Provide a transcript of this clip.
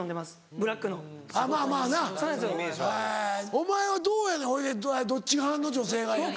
お前はどうやねんほいでどっち側の女性がええの？